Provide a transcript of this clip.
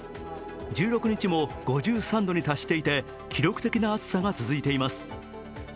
１６日も５３度に達していて記録的な暑さが続いています。